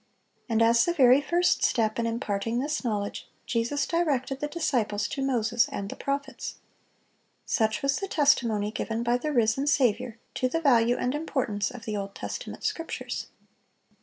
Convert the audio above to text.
And as the very first step in imparting this knowledge, Jesus directed the disciples to "Moses and the prophets." Such was the testimony given by the risen Saviour to the value and importance of the Old Testament Scriptures.